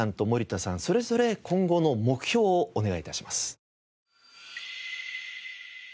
それぞれ今後の目標をお願い致します。